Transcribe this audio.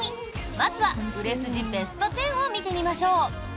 まずは、売れ筋ベスト１０を見てみましょう！